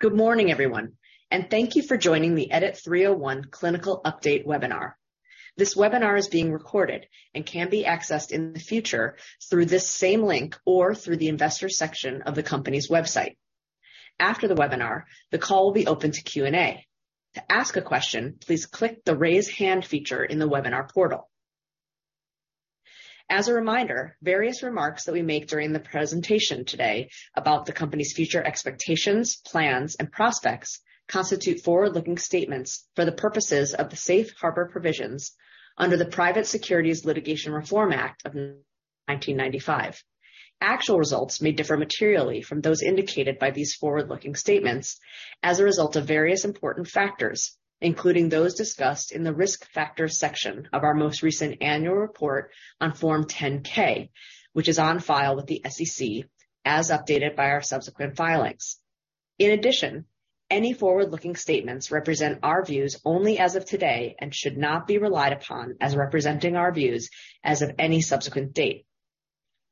Good morning, everyone. Thank you for joining the EDIT-301 clinical update webinar. This webinar is being recorded and can be accessed in the future through this same link or through the investor section of the company's website. After the webinar, the call will be open to Q&A. To ask a question, please click the Raise Hand feature in the webinar portal. As a reminder, various remarks that we make during the presentation today about the company's future expectations, plans, and prospects constitute forward-looking statements for the purposes of the Safe Harbor Provisions under the Private Securities Litigation Reform Act of 1995. Actual results may differ materially from those indicated by these forward-looking statements as a result of various important factors, including those discussed in the Risk Factors section of our most recent annual report on Form 10-K, which is on file with the SEC, as updated by our subsequent filings. In addition, any forward-looking statements represent our views only as of today and should not be relied upon as representing our views as of any subsequent date.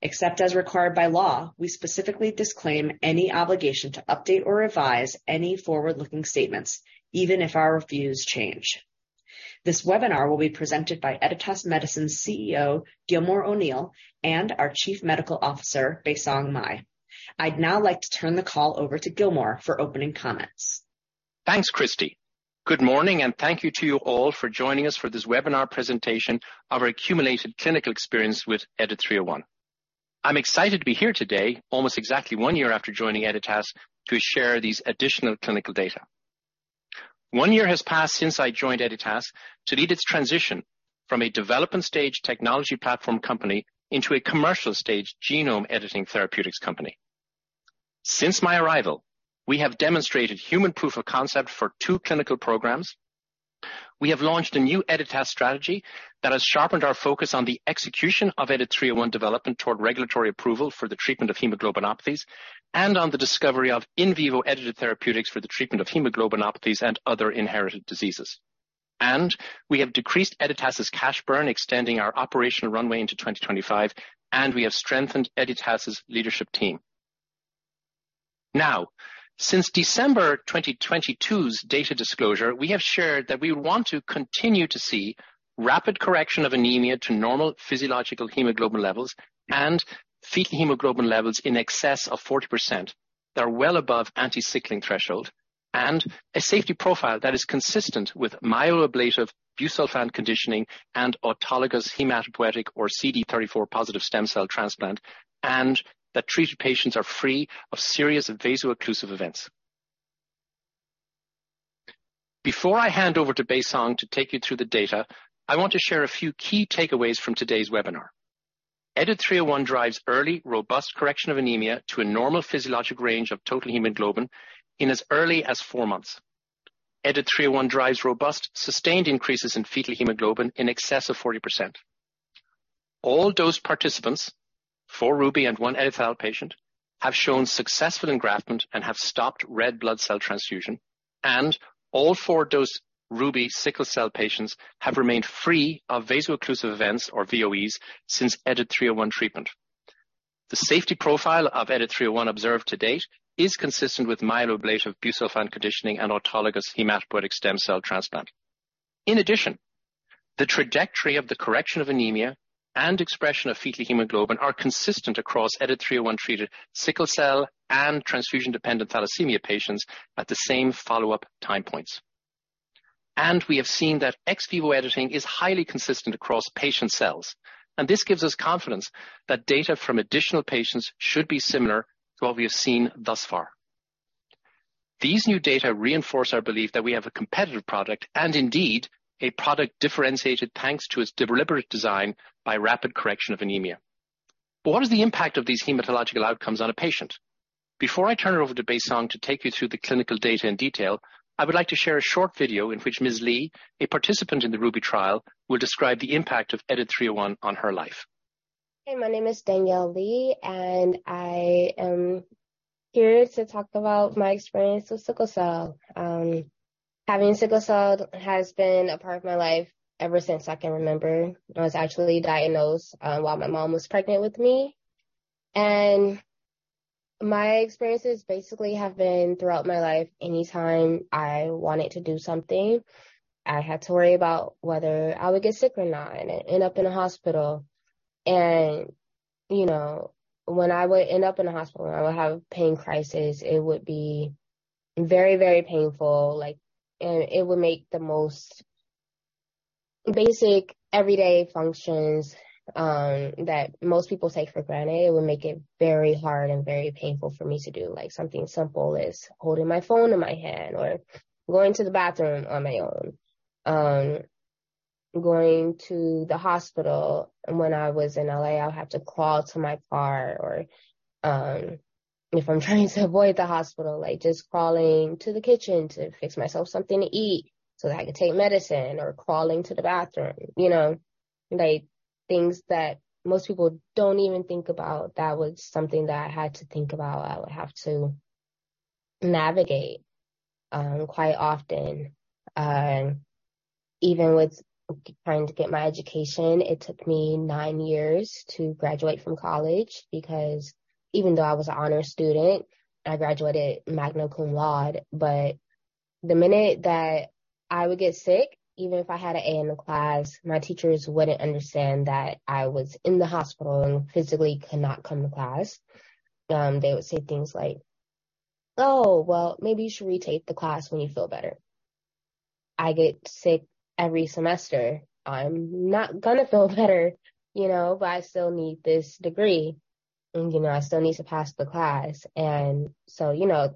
Except as required by law, we specifically disclaim any obligation to update or revise any forward-looking statements, even if our views change. This webinar will be presented by Editas Medicine's CEO, Gilmore O'Neill, and our Chief Medical Officer, Baisong Mei. I'd now like to turn the call over to Gilmore for opening comments. Thanks, Christy. Good morning. Thank you to you all for joining us for this webinar presentation of our accumulated clinical experience with EDIT-301. I'm excited to be here today, almost exactly one year after joining Editas, to share these additional clinical data. One year has passed since I joined Editas to lead its transition from a development stage technology platform company into a commercial stage genome editing therapeutics company. Since my arrival, we have demonstrated human proof of concept for two clinical programs. We have launched a new Editas strategy that has sharpened our focus on the execution of EDIT-301 development toward regulatory approval for the treatment of hemoglobinopathies and on the discovery of in vivo edited therapeutics for the treatment of hemoglobinopathies and other inherited diseases. We have decreased Editas' cash burn, extending our operational runway into 2025, and we have strengthened Editas' leadership team. Since December 2022's data disclosure, we have shared that we want to continue to see rapid correction of anemia to normal physiological hemoglobin levels and fetal hemoglobin levels in excess of 40% that are well above anti-sickling threshold, and a safety profile that is consistent with myeloablative busulfan conditioning and autologous hematopoietic or CD34-positive stem cell transplant, and that treated patients are free of serious vaso-occlusive events. Before I hand over to Baisong to take you through the data, I want to share a few key takeaways from today's webinar. EDIT-301 drives early, robust correction of anemia to a normal physiologic range of total hemoglobin in as early as four months. EDIT-301 drives robust, sustained increases in fetal hemoglobin in excess of 40%. All dosed participants, 4 RUBY and 1 EdiTHAL patient, have shown successful engraftment and have stopped red blood cell transfusion, and all four dosed RUBY sickle cell patients have remained free of vaso-occlusive events or VOEs since EDIT-301 treatment. The safety profile of EDIT-301 observed to date is consistent with myeloablative busulfan conditioning and autologous hematopoietic stem cell transplant. In addition, the trajectory of the correction of anemia and expression of fetal hemoglobin are consistent across EDIT-301-treated sickle cell and transfusion-dependent thalassemia patients at the same follow-up time points. We have seen that ex vivo editing is highly consistent across patient cells, and this gives us confidence that data from additional patients should be similar to what we have seen thus far. These new data reinforce our belief that we have a competitive product and indeed a product differentiated, thanks to its deliberate design by rapid correction of anemia. What is the impact of these hematological outcomes on a patient? Before I turn it over to Baisong to take you through the clinical data in detail, I would like to share a short video in which Ms. Lee, a participant in the RUBY trial, will describe the impact of EDIT-301 on her life. Hey, my name is Danielle Lee. I am here to talk about my experience with sickle cell. Having sickle cell has been a part of my life ever since I can remember. I was actually diagnosed while my mom was pregnant with me, and my experiences basically have been throughout my life, anytime I wanted to do something, I had to worry about whether I would get sick or not and end up in a hospital. You know, when I would end up in a hospital, I would have pain crisis. It would be very painful, like, and it would make the most basic everyday functions that most people take for granted. It would make it very hard and very painful for me to do, like, something simple as holding my phone in my hand or going to the bathroom on my own. Going to the hospital when I was in L.A., I'd have to crawl to my car or, if I'm trying to avoid the hospital, like, just crawling to the kitchen to fix myself something to eat so that I can take medicine or crawling to the bathroom. You know, like, things that most people don't even think about, that was something that I had to think about. I would have to navigate quite often. Even with trying to get my education, it took me nine years to graduate from college because even though I was an honor student, I graduated magna cum laude. The minute that I would get sick, even if I had an A in the class, my teachers wouldn't understand that I was in the hospital and physically cannot come to class. They would say things like: "Oh, well, maybe you should retake the class when you feel better." I get sick every semester. I'm not gonna feel better, you know, but I still need this degree, and, you know, I still need to pass the class. You know,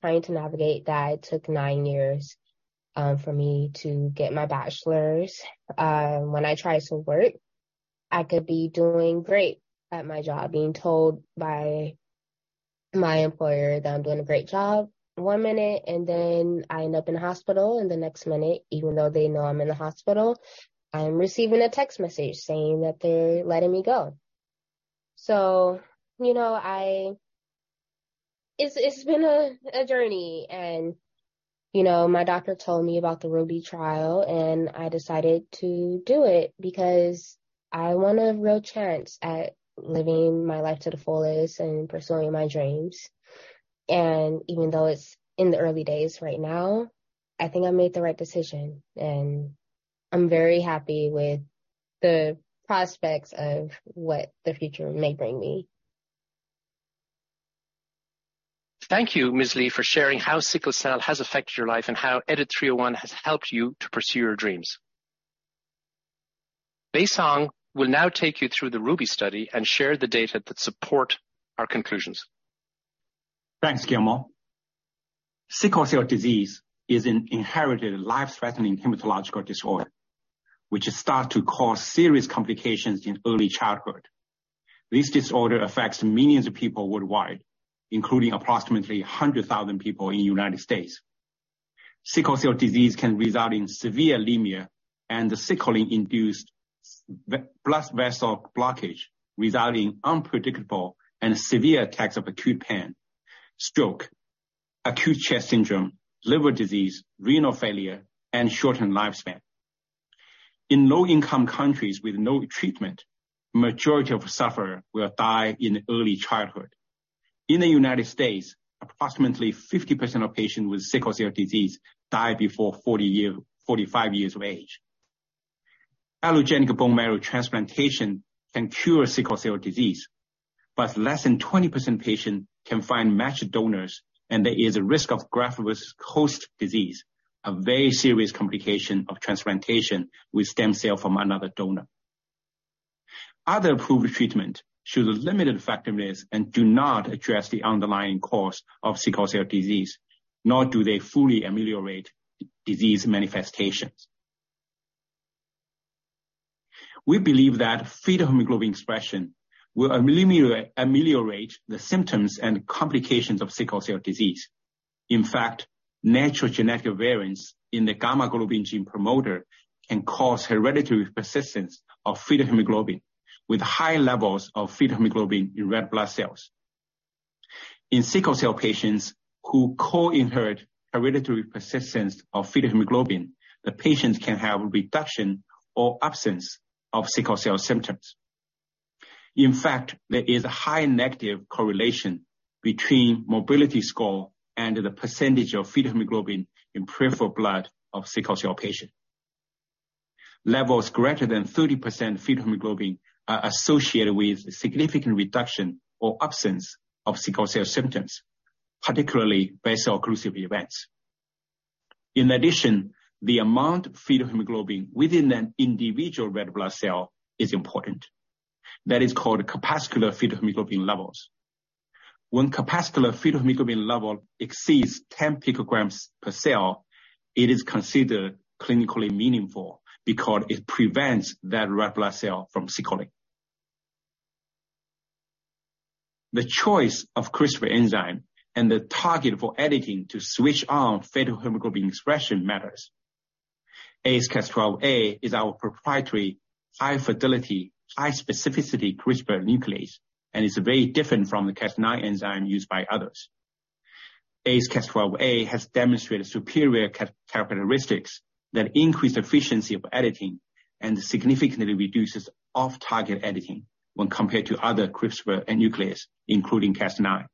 trying to navigate that took nine years for me to get my bachelor's. When I try to work, I could be doing great at my job, being told by my employer that I'm doing a great job one minute, and then I end up in the hospital, and the next minute, even though they know I'm in the hospital, I'm receiving a text message saying that they're letting me go. You know, I... It's been a journey, you know, my doctor told me about the RUBY trial, I decided to do it because I want a real chance at living my life to the fullest and pursuing my dreams. Even though it's in the early days right now, I think I made the right decision, and I'm very happy with the prospects of what the future may bring me. Thank you, Ms. Lee, for sharing how sickle cell has affected your life and how EDIT-301 has helped you to pursue your dreams. Baisong Mei will now take you through the RUBY study and share the data that support our conclusions. Thanks, Gilmore. Sickle cell disease is an inherited, life-threatening hematological disorder, which start to cause serious complications in early childhood. This disorder affects millions of people worldwide, including approximately 100,000 people in the United States. Sickle cell disease can result in severe anemia and the sickling-induced blood vessel blockage, resulting in unpredictable and severe attacks of acute pain, stroke, acute chest syndrome, liver disease, renal failure, and shortened lifespan. In low-income countries with no treatment, majority of sufferer will die in early childhood. In the United States, approximately 50% of patients with Sickle cell disease die before forty-five years of age. Allogeneic bone marrow transplantation can cure Sickle cell disease. Less than 20% patient can find matched donors, and there is a risk of graft-versus-host disease, a very serious complication of transplantation with stem cell from another donor. Other approved treatment show the limited effectiveness and do not address the underlying cause of sickle cell disease, nor do they fully ameliorate disease manifestations. We believe that fetal hemoglobin expression will ameliorate the symptoms and complications of sickle cell disease. In fact, natural genetic variants in the gamma-globin gene promoter can cause hereditary persistence of fetal hemoglobin with high levels of fetal hemoglobin in red blood cells. In sickle cell patients who co-inherit hereditary persistence of fetal hemoglobin, the patients can have a reduction or absence of sickle cell symptoms. In fact, there is a high negative correlation between mobility score and the percentage of fetal hemoglobin in peripheral blood of sickle cell patient. Levels greater than 30% fetal hemoglobin are associated with significant reduction or absence of sickle cell symptoms, particularly vaso-occlusive events. In addition, the amount of fetal hemoglobin within an individual red blood cell is important. That is called cellular fetal hemoglobin levels. When cellular fetal hemoglobin level exceeds 10 picograms per cell, it is considered clinically meaningful because it prevents that red blood cell from sickling. The choice of CRISPR enzyme and the target for editing to switch on fetal hemoglobin expression matters. AsCas12a is our proprietary, high-fidelity, high-specificity CRISPR nuclease and is very different from the Cas9 enzyme used by others. AsCas12a has demonstrated superior characteristics that increase efficiency of editing and significantly reduces off-target editing when compared to other CRISPR nuclease, including Cas9.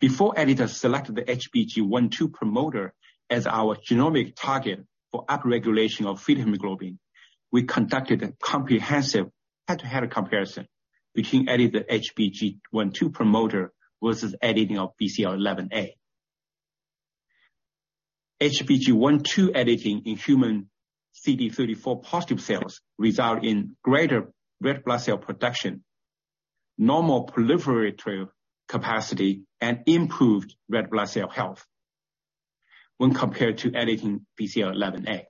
Before Editas selected the HBG1/2 promoter as our genomic target for upregulation of fetal hemoglobin, we conducted a comprehensive head-to-head comparison between editing the HBG1/2 promoter versus editing of BCL11A. HBG1/2 editing in human CD34-positive cells result in greater red blood cell production, normal proliferative capacity, and improved red blood cell health when compared to editing BCL11A.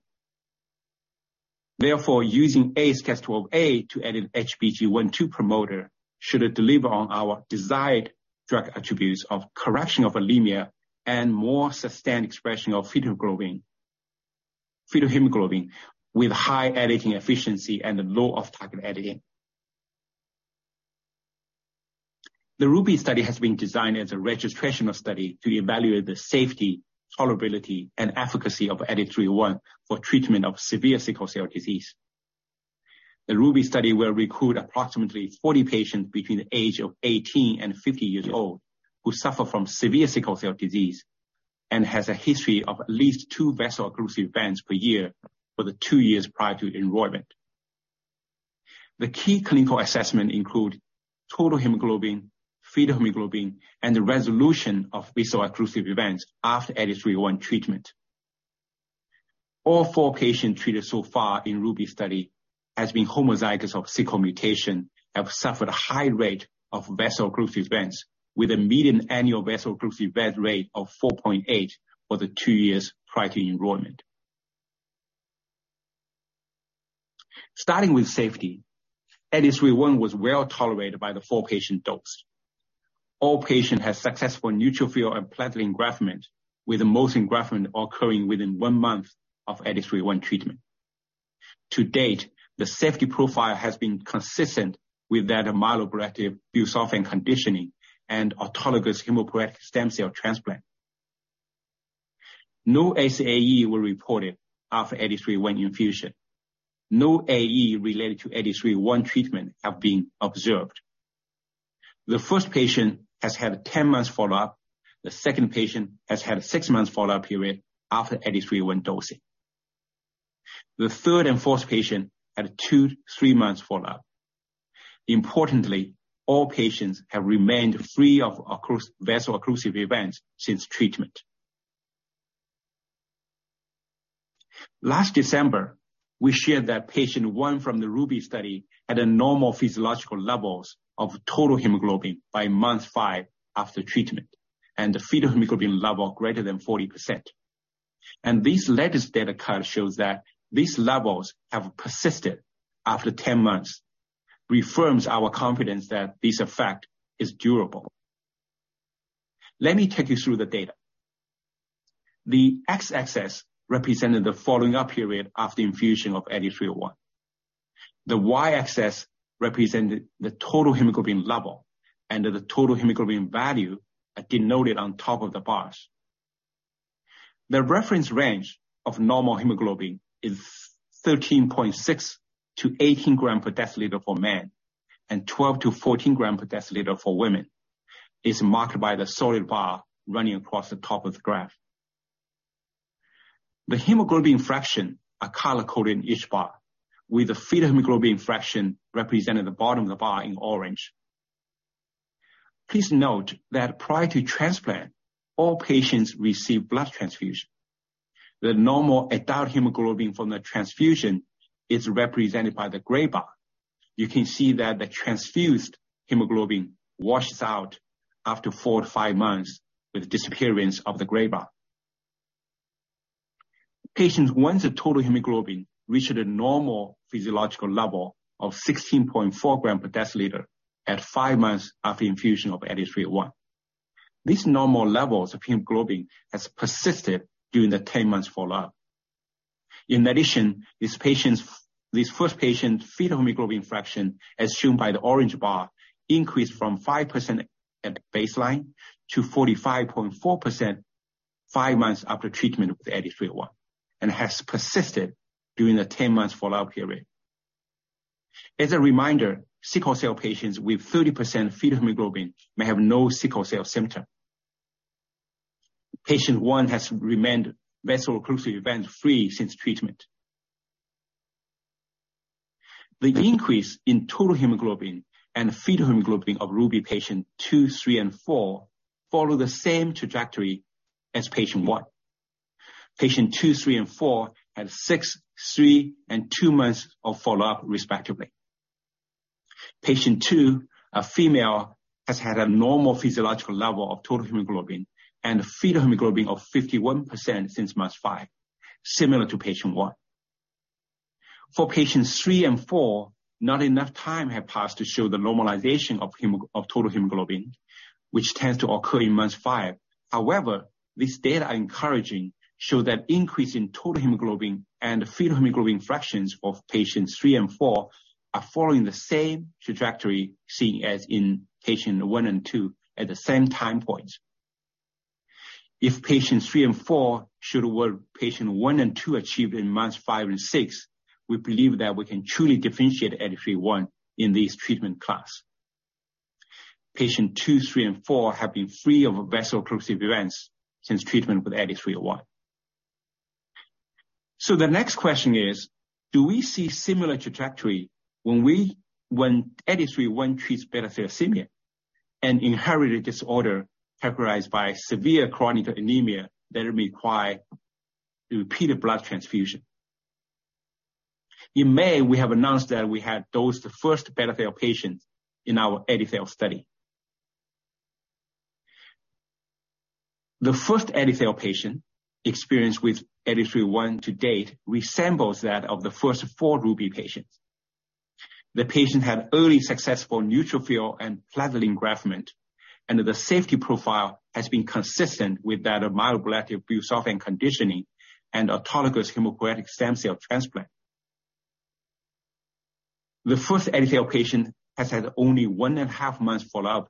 Using AsCas12a to edit HBG1/2 promoter should deliver on our desired drug attributes of correction of anemia and more sustained expression of fetal hemoglobin with high editing efficiency and low off-target editing. The RUBY study has been designed as a registrational study to evaluate the safety, tolerability, and efficacy of EDIT-301 for treatment of severe sickle cell disease. The RUBY study will recruit approximately 40 patients between the age of 18 and 50 years old, who suffer from severe sickle cell disease and has a history of at least two vaso-occlusive events per year for the two years prior to enrollment. The key clinical assessment include total hemoglobin, fetal hemoglobin, and the resolution of vaso-occlusive events after EDIT-301 treatment. All four patients treated so far in RUBY study has been homozygous of sickle mutation, have suffered a high rate of vaso-occlusive events, with a median annual vaso-occlusive event rate of 4.8 for the two years prior to enrollment. Starting with safety, EDIT-301 was well tolerated by the four patient dose. All patients had successful neutrophil and platelet engraftment, with the most engraftment occurring within one month of EDIT-301 treatment. To date, the safety profile has been consistent with that of myeloablative busulfan conditioning and autologous hematopoietic stem cell transplant. No SAE were reported after EDIT-301 infusion. No AE related to EDIT-301 treatment have been observed. The first patient has had a 10-month follow-up. The second patient has had a six month follow-up period after EDIT-301 dosing. The third and fourth patient had a two, three months follow-up. Importantly, all patients have remained free of vaso-occlusive events since treatment. Last December, we shared that patient one from the RUBY study had normal physiological levels of total hemoglobin by month five after treatment, and the fetal hemoglobin level greater than 40%. This latest data kind of shows that these levels have persisted after 10 months, reaffirms our confidence that this effect is durable. Let me take you through the data. The x-axis represented the follow-up period after infusion of EDIT-301. The y-axis represented the total hemoglobin level and the total hemoglobin value are denoted on top of the bars. The reference range of normal hemoglobin is 13.6 to 18 gram per deciliter for men, and 12 to 14 gram per deciliter for women. It's marked by the solid bar running across the top of the graph. The hemoglobin fraction are color-coded in each bar, with the fetal hemoglobin fraction represented at the bottom of the bar in orange. Please note that prior to transplant, all patients received blood transfusion. The normal adult hemoglobin from the transfusion is represented by the gray bar. You can see that the transfused hemoglobin washes out after four to five months with disappearance of the gray bar. Patient 1's total hemoglobin reached a normal physiological level of 16.4 gram per deciliter at five months after infusion of EDIT-301. These normal levels of hemoglobin has persisted during the 10-months follow-up. In addition, this first patient's fetal hemoglobin fraction, as shown by the orange bar, increased from 5% at baseline to 45.4% five months after treatment with the EDIT-301, and has persisted during the 10-months follow-up period. As a reminder, sickle cell patients with 30% fetal hemoglobin may have no sickle cell symptom. Patient one has remained vaso-occlusive event-free since treatment. The increase in total hemoglobin and fetal hemoglobin of RUBY patient two, three, and four follow the same trajectory as patient one. Patient two, three, and four, had six, three, and two months of follow-up, respectively. Patient two, a female, has had a normal physiological level of total hemoglobin and a fetal hemoglobin of 51% since month five, similar to patient one. For patients three and four, not enough time had passed to show the normalization of total hemoglobin, which tends to occur in month five. This data are encouraging, show that increase in total hemoglobin and fetal hemoglobin fractions of patients three and four are following the same trajectory, seen as in patient one and two at the same time points. If patients three and four should what patient one and two achieved in months five and six, we believe that we can truly differentiate EDIT-301 in this treatment class. Patient two, three, and four have been free of vaso-occlusive events since treatment with EDIT-301. The next question is, do we see similar trajectory when EDIT-301 treats beta thalassemia, an inherited disorder characterized by severe chronic anemia that require repeated blood transfusion? In May, we have announced that we had dosed the first beta thal patient in our EdiTHAL study. The first EdiTHAL patient experience with EDIT-301 to date resembles that of the first four RUBY patients. The patient had early successful neutrophil and platelet engraftment, and the safety profile has been consistent with that of myeloablative busulfan conditioning and autologous hematopoietic stem cell transplant. The first EdiTHAL patient has had only one and a half months follow-up,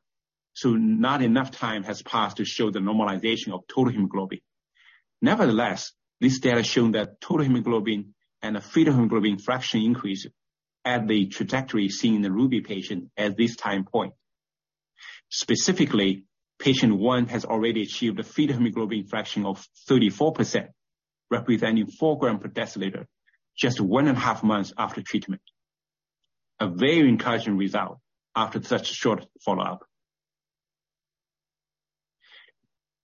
so not enough time has passed to show the normalization of total hemoglobin. Nevertheless, this data has shown that total hemoglobin and the fetal hemoglobin fraction increase at the trajectory seen in the RUBY patient at this time point. Specifically, patient one has already achieved a fetal hemoglobin fraction of 34%, representing four grams per deciliter, just one and a half months after treatment. A very encouraging result after such a short follow-up.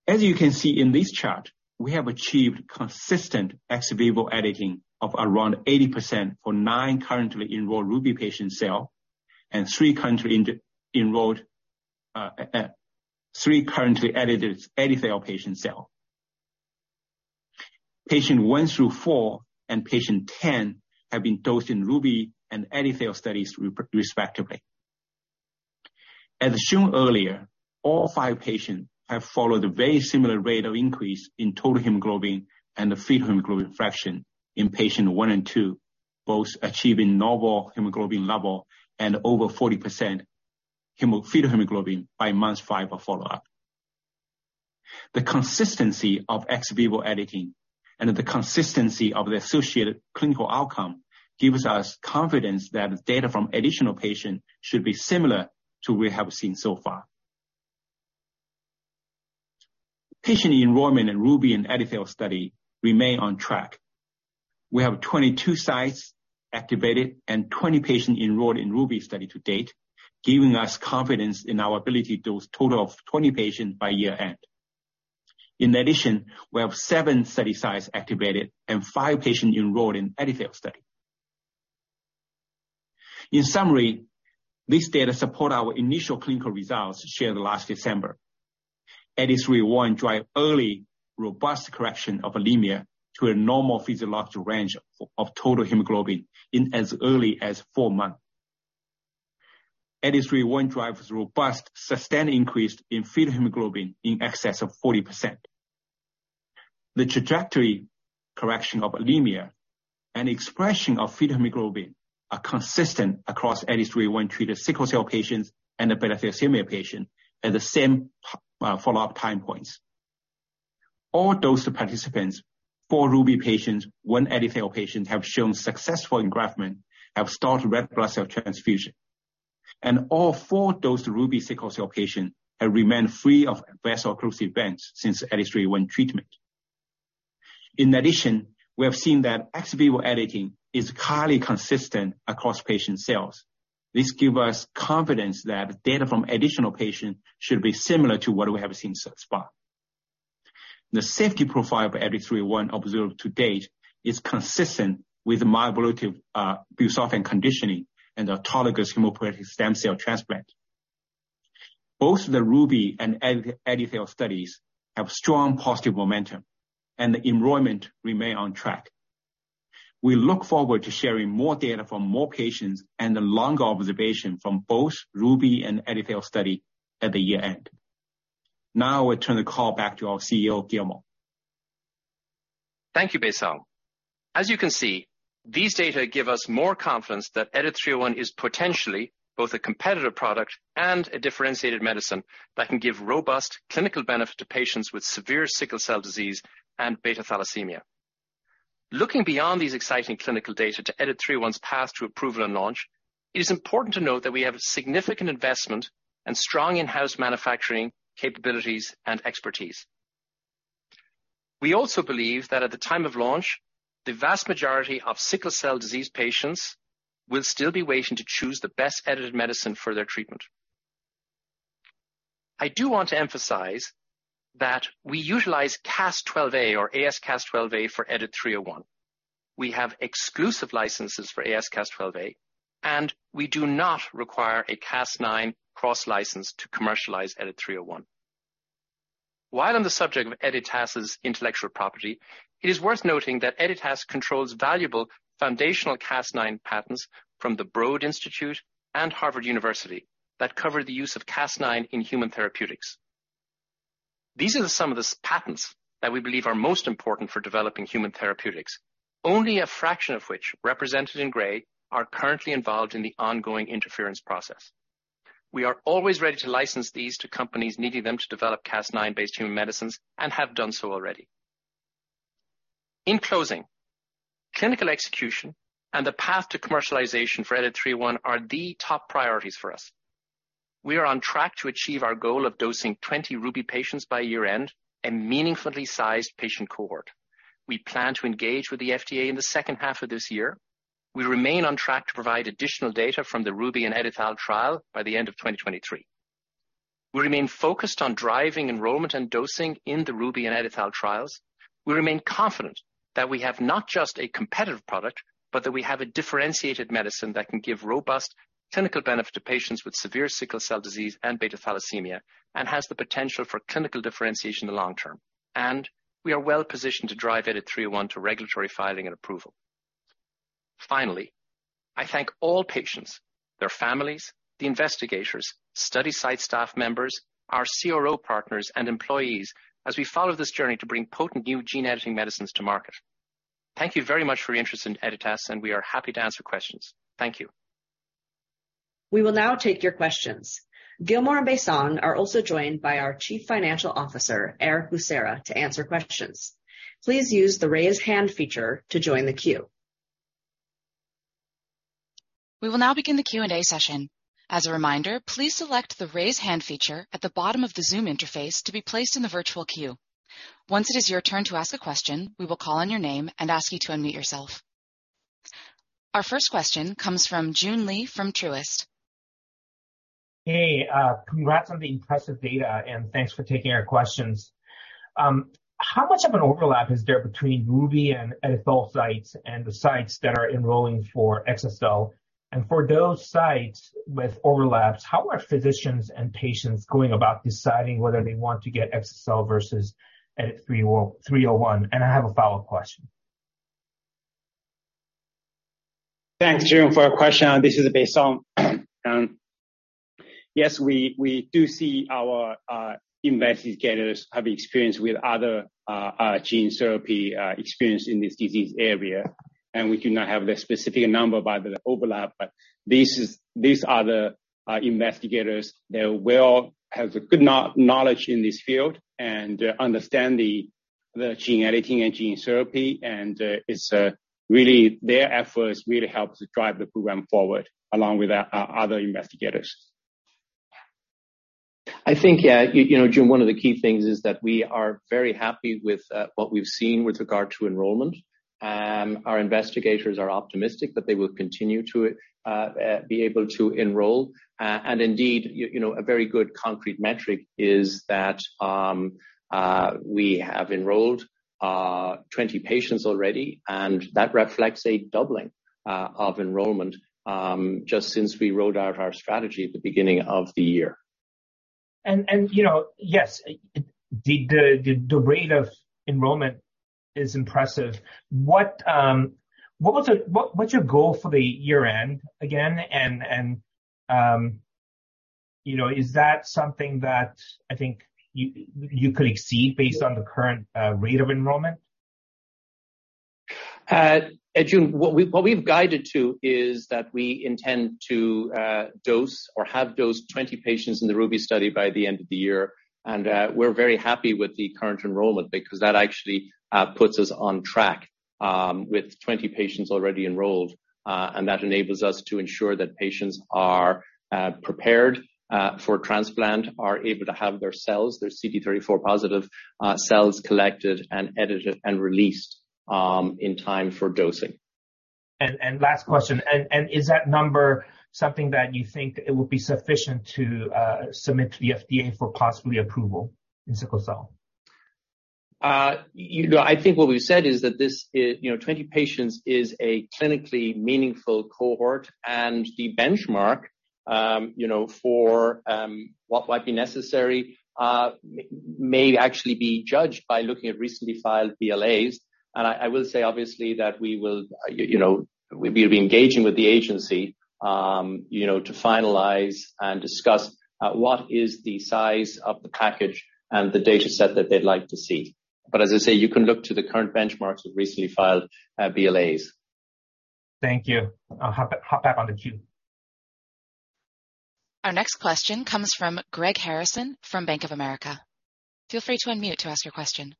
As you can see in this chart, we have achieved consistent ex vivo editing of around 80% for nine currently enrolled RUBY patients' cell and three currently edited EdiTHAL patients' cell. Patient one through four and patient 10 have been dosed in RUBY and EdiTHAL studies respectively. As shown earlier, all five patients have followed a very similar rate of increase in total hemoglobin and the fetal hemoglobin fraction in patient one and two, both achieving normal hemoglobin level and over 40% fetal hemoglobin by month five of follow-up. The consistency of ex vivo editing and the consistency of the associated clinical outcome, gives us confidence that data from additional patients should be similar to what we have seen so far. Patient enrollment in RUBY and EdiTHAL study remain on track. We have 22 sites activated and 20 patients enrolled in RUBY study to date, giving us confidence in our ability to dose total of 20 patients by year-end. We have seven study sites activated and five patients enrolled in EdiTHAL study. These data support our initial clinical results shared last December. EDIT-301 drive early, robust correction of anemia to a normal physiological range of total hemoglobin in as early as four months. EDIT-301 drives robust, sustained increase in fetal hemoglobin in excess of 40%. The trajectory, correction of anemia, and expression of fetal hemoglobin are consistent across EDIT-301 treated sickle cell patients and the beta thalassemia patient at the same follow-up time points. All dosed participants, 4 RUBY patients, 1 EdiTHAL patient, have shown successful engraftment, have started red blood cell transfusion. All four dosed RUBY sickle cell patients have remained free of vaso-occlusive events since EDIT-301 treatment. In addition, we have seen that ex vivo editing is highly consistent across patient cells. This give us confidence that data from additional patients should be similar to what we have seen so far. The safety profile of EDIT-301 observed to date is consistent with myeloablative busulfan conditioning and autologous hematopoietic stem cell transplant. Both the RUBY and EdiTHAL studies have strong positive momentum, and the enrollment remain on track. We look forward to sharing more data from more patients and the longer observation from both RUBY and EdiTHAL study at the year-end. I will turn the call back to our CEO, Gilmore. Thank you, Baisong. As you can see, these data give us more confidence that EDIT-301 is potentially both a competitive product and a differentiated medicine that can give robust clinical benefit to patients with severe sickle cell disease and beta thalassemia. Looking beyond these exciting clinical data to EDIT-301's path to approval and launch, it is important to note that we have significant investment and strong in-house manufacturing capabilities and expertise. We also believe that at the time of launch, the vast majority of sickle cell disease patients will still be waiting to choose the best edited medicine for their treatment. I do want to emphasize that we utilize Cas12a or AsCas12a for EDIT-301. We have exclusive licenses for AsCas12a, and we do not require a Cas9 cross-license to commercialize EDIT-301. While on the subject of Editas' intellectual property, it is worth noting that Editas controls valuable foundational Cas9 patents from the Broad Institute and Harvard University that cover the use of Cas9 in human therapeutics. These are some of the patents that we believe are most important for developing human therapeutics. Only a fraction of which, represented in gray, are currently involved in the ongoing interference process. We are always ready to license these to companies needing them to develop Cas9-based human medicines and have done so already. In closing, clinical execution and the path to commercialization for EDIT-301 are the top priorities for us. We are on track to achieve our goal of dosing 20 RUBY patients by year-end, a meaningfully sized patient cohort. We plan to engage with the FDA in the second half of this year. We remain on track to provide additional data from the RUBY and EdiTHAL trial by the end of 2023. We remain focused on driving enrollment and dosing in the RUBY and EdiTHAL trials. We remain confident that we have not just a competitive product, but that we have a differentiated medicine that can give robust-. Clinical benefit to patients with severe sickle cell disease and beta thalassemia, and has the potential for clinical differentiation in the long term. We are well positioned to drive EDIT-301 to regulatory filing and approval. Finally, I thank all patients, their families, the investigators, study site staff members, our CRO partners, and employees as we follow this journey to bring potent new gene editing medicines to market. Thank you very much for your interest in Editas, we are happy to answer questions. Thank you. We will now take your questions. Gilmore and Baisong are also joined by our Chief Financial Officer, Erick Lucera, to answer questions. Please use the Raise Hand feature to join the queue. We will now begin the Q&A session. As a reminder, please select the Raise Hand feature at the bottom of the Zoom interface to be placed in the virtual queue. Once it is your turn to ask a question, we will call on your name and ask you to unmute yourself. Our first question comes from Joon Lee from Truist. Hey, congrats on the impressive data, and thanks for taking our questions. How much of an overlap is there between RUBY and EdiTHAL sites and the sites that are enrolling for exa-cel? For those sites with overlaps, how are physicians and patients going about deciding whether they want to get exa-cel versus EDIT-301? I have a follow-up question. Thanks, Joon, for our question. This is Baisong. Yes, we do see our investigators have experience with other gene therapy experience in this disease area, and we do not have the specific number by the overlap, but these are the investigators that will have a good knowledge in this field and understand the gene editing and gene therapy, and it's really their efforts really helps to drive the program forward, along with our other investigators. I think, you know, Joon Lee, one of the key things is that we are very happy with what we've seen with regard to enrollment. Our investigators are optimistic that they will continue to be able to enroll. Indeed, you know, a very good concrete metric is that we have enrolled 20 patients already, and that reflects a doubling of enrollment just since we rolled out our strategy at the beginning of the year. You know, yes, the rate of enrollment is impressive. What's your goal for the year-end again? You know, is that something that I think you could exceed based on the current rate of enrollment? Joon, what we, what we've guided to is that we intend to dose or have dosed 20 patients in the RUBY study by the end of the year. We're very happy with the current enrollment because that actually puts us on track with 20 patients already enrolled. That enables us to ensure that patients are prepared for transplant, are able to have their cells, their CD34-positive cells collected and edited and released in time for dosing. Last question, is that number something that you think it would be sufficient to submit to the FDA for possibly approval in sickle cell? You know, I think what we've said is that this is. You know, 20 patients is a clinically meaningful cohort, and the benchmark, you know, for what might be necessary, may actually be judged by looking at recently filed BLAs. I will say, obviously, that we will, you know, we'll be engaging with the agency, you know, to finalize and discuss, what is the size of the package and the data set that they'd like to see. As I say, you can look to the current benchmarks of recently filed, BLAs. Thank you. I'll hop back on the queue. Our next question comes from Greg Harrison from Bank of America. Feel free to unmute to ask your question.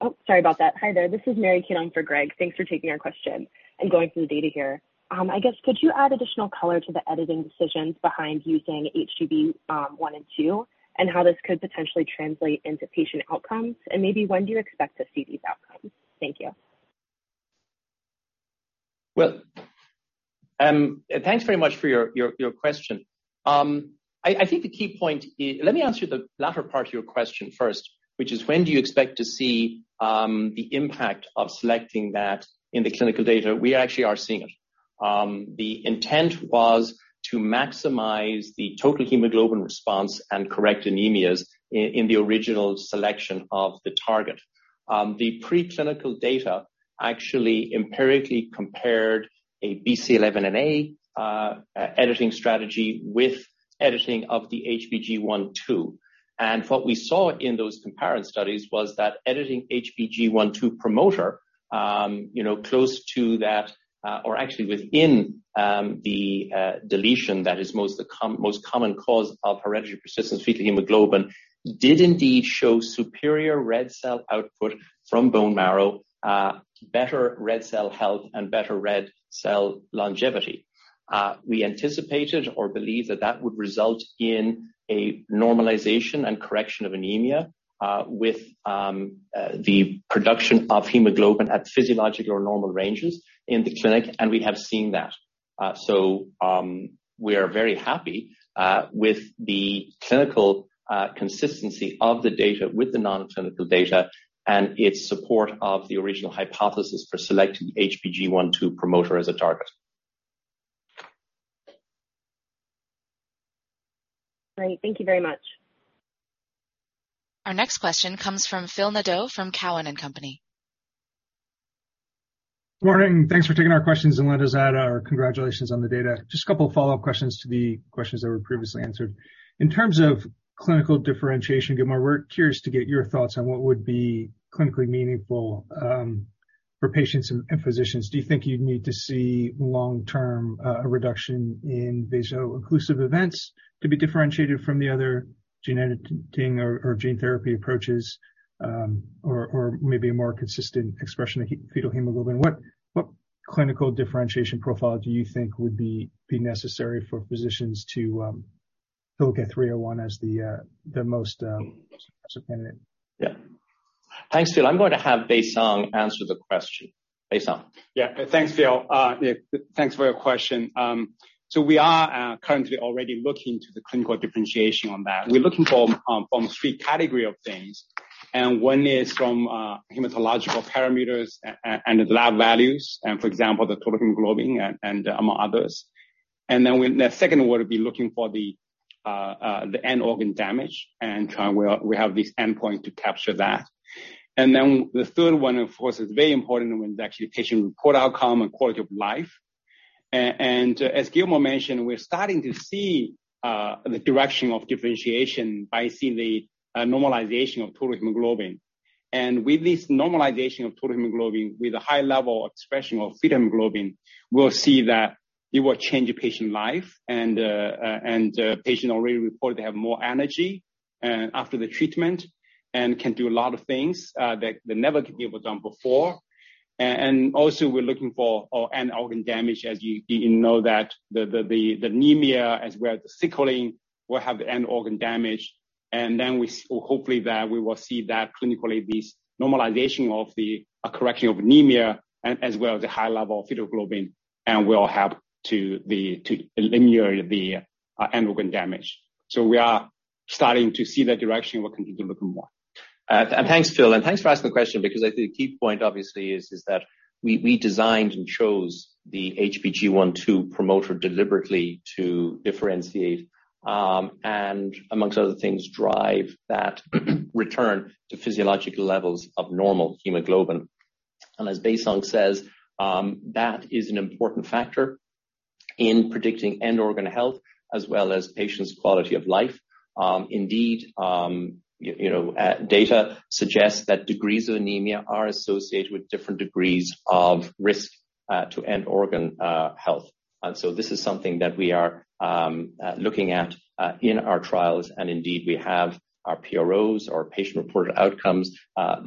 Oh, sorry about that. Hi there. This is Mary Keeling for Greg. Thanks for taking our question and going through the data here. I guess could you add additional color to the editing decisions behind using HBG1/2, and how this could potentially translate into patient outcomes? Maybe when do you expect to see these outcomes? Thank you. Well, thanks very much for your question. I think the key point is. Let me answer the latter part of your question first, which is: When do you expect to see the impact of selecting that in the clinical data? We actually are seeing it. The intent was to maximize the total hemoglobin response and correct anemias in the original selection of the target. The preclinical data actually empirically compared a BCL11A editing strategy with editing of the HBG1/2. What we saw in those comparison studies was that editing HBG1/2 promoter, you know, close to that, or actually within the deletion that is most common cause of hereditary persistent fetal hemoglobin, did indeed show superior red cell output from bone marrow, better red cell health and better red cell longevity. We anticipated or believe that that would result in a normalization and correction of anemia, with the production of hemoglobin at physiological or normal ranges in the clinic, and we have seen that. We are very happy with the clinical consistency of the data with the non-clinical data and its support of the original hypothesis for selecting HBG1/2 promoter as a target. Great. Thank you very much. Our next question comes from Phil Nadeau, from Cowen and Company. Morning. Thanks for taking our questions, let us add our congratulations on the data. Just a couple of follow-up questions to the questions that were previously answered. In terms of clinical differentiation, Gilmore, we're curious to get your thoughts on what would be clinically meaningful for patients and physicians. Do you think you'd need to see long-term reduction in vaso-occlusive events to be differentiated from the other genetic thing or gene therapy approaches, or maybe a more consistent expression of fetal hemoglobin? What clinical differentiation profile do you think would be necessary for physicians to look at EDIT-301 as the most candidate? Yeah. Thanks, Phil. I'm going to have Baisong answer the question. Baisong? Thanks, Phil. Yeah, thanks for your question. We are currently already looking into the clinical differentiation on that. We're looking for from three category of things, and one is from hematological parameters and the lab values, for example, the total hemoglobin and among others. The second one would be looking for the end organ damage, and try where we have this endpoint to capture that. The third one, of course, is very important when the actual patient report outcome and quality of life. As Gilmore mentioned, we're starting to see the direction of differentiation by seeing the normalization of total hemoglobin. With this normalization of total hemoglobin, with a high level expression of fetal hemoglobin, we'll see that it will change a patient life and patient already reported they have more energy after the treatment and can do a lot of things that they never could be able to done before. Also, we're looking for end organ damage, as you know, that, the anemia, as well as the sickling, will have end organ damage. Hopefully, that we will see that clinically, this normalization of the correction of anemia as well as the high level of fetal hemoglobin, and will help to eliminate the end organ damage. We are starting to see that direction. We're continuing to look more. Thanks, Phil, and thanks for asking the question because I think the key point, obviously, is that we designed and chose the HBG1/2 promoter deliberately to differentiate, and amongst other things, drive that return to physiological levels of normal hemoglobin. As Baisong says, that is an important factor in predicting end organ health as well as patient's quality of life. Indeed, you know, data suggests that degrees of anemia are associated with different degrees of risk to end organ health. This is something that we are looking at in our trials. Indeed, we have our PROs, our patient-reported outcomes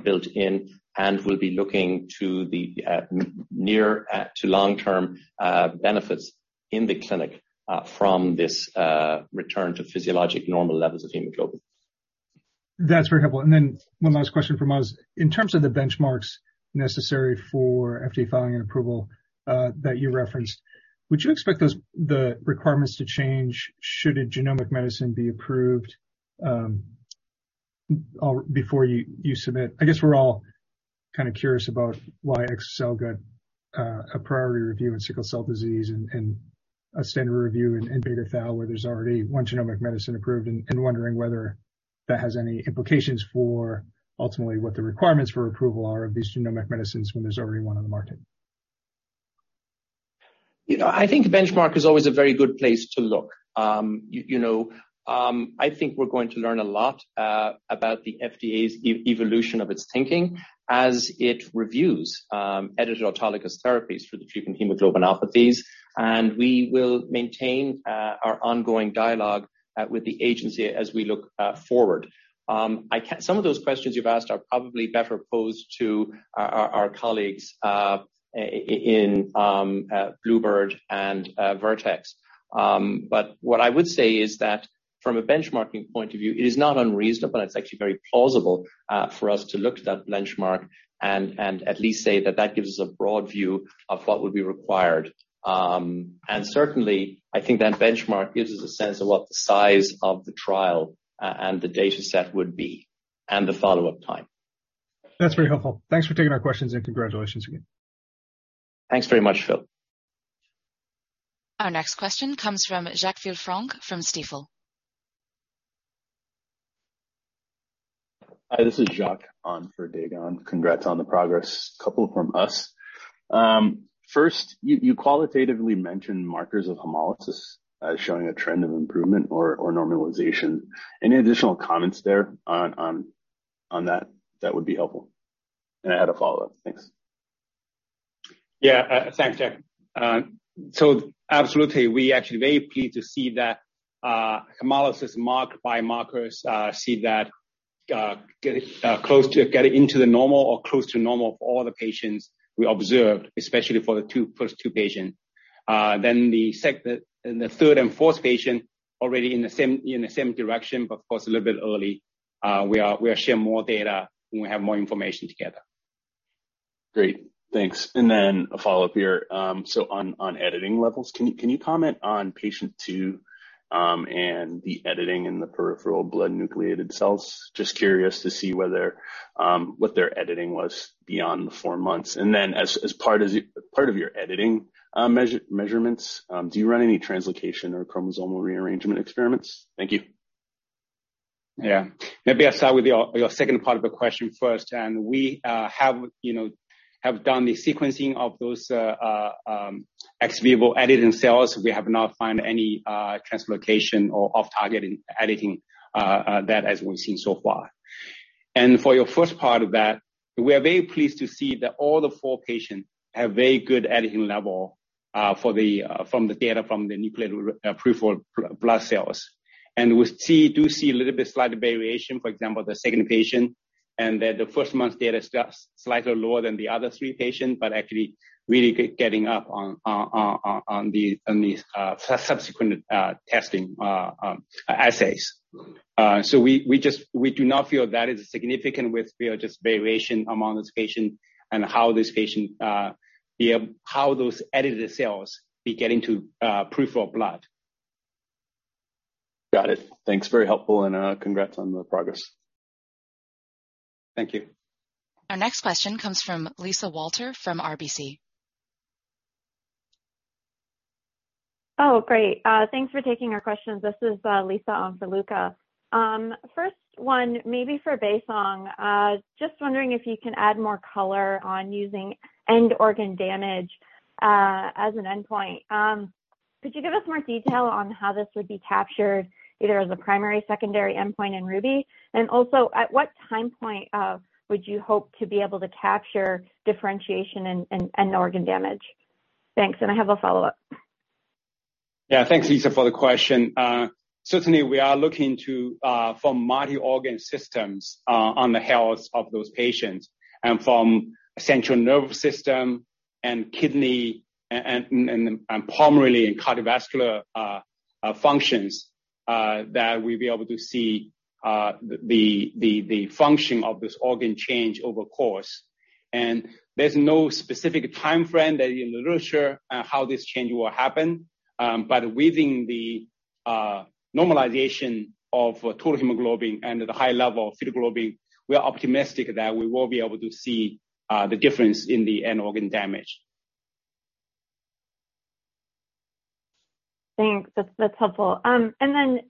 built in, and we'll be looking to the near to long-term benefits in the clinic from this return to physiological normal levels of hemoglobin. That's very helpful. One last question from us. In terms of the benchmarks necessary for FDA filing and approval that you referenced, would you expect those, the requirements to change should a genomic medicine be approved before you submit? I guess we're all kind of curious about why exa-cel got a priority review in sickle cell disease and a standard review in beta thal, where there's already one genomic medicine approved, and wondering whether that has any implications for ultimately what the requirements for approval are of these genomic medicines when there's already one on the market. You know, I think benchmark is always a very good place to look. You know, I think we're going to learn a lot about the FDA's evolution of its thinking as it reviews edited autologous therapies for the treatment hemoglobinopathies. We will maintain our ongoing dialogue with the agency as we look forward. Some of those questions you've asked are probably better posed to our colleagues in Bluebird and Vertex. What I would say is that from a benchmarking point of view, it is not unreasonable, it's actually very plausible for us to look to that benchmark and at least say that that gives us a broad view of what would be required. Certainly, I think that benchmark gives us a sense of what the size of the trial, and the dataset would be, and the follow-up time. That's very helpful. Thanks for taking our questions. Congratulations again. Thanks very much, Phil. Our next question comes from Jacques Villefranc from Stifel. Hi, this is Jacques on for Dae Gon Ha. Congrats on the progress. A couple from us. First, you qualitatively mentioned markers of hemolysis showing a trend of improvement or normalization. Any additional comments there on that? That would be helpful. I had a follow-up. Thanks. Yeah. Thanks, Jacques. Absolutely, we actually very pleased to see that hemolysis marked by markers, see that getting close to getting into the normal or close to normal for all the patients we observed, especially for the two first two patients. The third and fourth patient, already in the same direction, but of course, a little bit early. We are share more data when we have more information together. Great, thanks. A follow-up here. On editing levels, can you comment on patient two and the editing in the peripheral blood nucleated cells? Just curious to see whether what their editing was beyond the four months. As part of your editing measurements, do you run any translocation or chromosomal rearrangement experiments? Thank you. Yeah. Maybe I'll start with your second part of the question first. We, you know, have done the sequencing of those ex vivo editing cells. We have not found any translocation or off-target in editing that as we've seen so far. For your first part of that, we are very pleased to see that all the four patients have very good editing level for the data from the nucleated peripheral blood cells. We do see a little bit slight variation, for example, the second patient, that the first month's data is just slightly lower than the other three patients, but actually really getting up on these subsequent testing assays. We do not feel that is significant with, you know, just variation among this patient and how this patient, How those edited cells be getting to peripheral blood. Got it. Thanks. Very helpful, and, congrats on the progress. Thank you. Our next question comes from Lisa Walter, from RBC. Oh, great. Thanks for taking our questions. This is Lisa on for Luca. First one, maybe for Baisong. Just wondering if you can add more color on using end organ damage as an endpoint. Could you give us more detail on how this would be captured, either as a primary, secondary endpoint in RUBY? Also, at what time point, would you hope to be able to capture differentiation and end organ damage? Thanks, I have a follow-up. Yeah. Thanks, Lisa, for the question. Certainly, we are looking to from multi-organ systems on the health of those patients. From central nervous system and kidney and pulmonary and cardiovascular functions that we'll be able to see the functioning of this organ change over course. There's no specific timeframe that in the literature on how this change will happen. Within the normalization of total hemoglobin and the high level of fetal hemoglobin, we are optimistic that we will be able to see the difference in the end organ damage. Thanks. That's, that's helpful.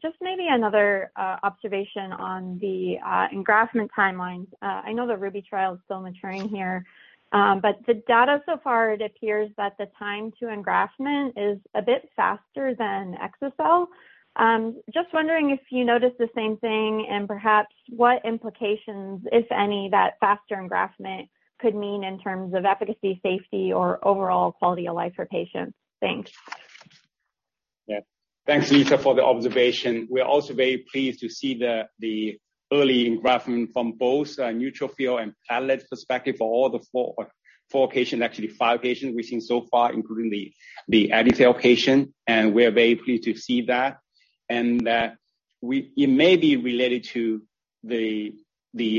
Just maybe another observation on the engraftment timelines. I know the RUBY trial is still maturing here, but the data so far, it appears that the time to engraftment is a bit faster than exa-cel. Just wondering if you noticed the same thing and perhaps what implications, if any, that faster engraftment could mean in terms of efficacy, safety, or overall quality of life for patients? Thanks. Yeah. Thanks, Lisa, for the observation. We are also very pleased to see the early engraftment from both neutrophil and platelet perspective for all the four patients, actually five patients we've seen so far, including the edited patient, and we are very pleased to see that. It may be related to the